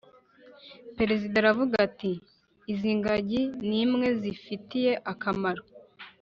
Perezida aravuga ati ’ izingagi nimwe zifitiye akamaro:”